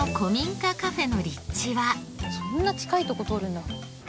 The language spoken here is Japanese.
そんな近いとこ通るんだ。